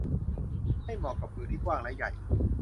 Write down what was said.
ไม่เหมาะกับมือที่กว้างและใหญ่